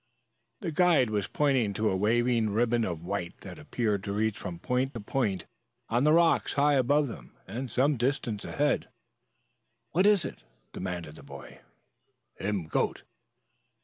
The guide was pointing to a waving ribbon of white that appeared to reach from point to point on the rocks high above them and some distance ahead. "What is it?" demanded the boy. "Him goat."